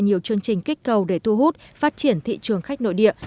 nhiều chương trình kích cầu để thu hút phát triển thị trường khách nội địa